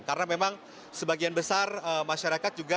karena memang sebagian besar masyarakat juga